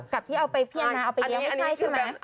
กับที่เอาไปเพียงนะเอาไปเรียกไม่ใช่ใช่ไหม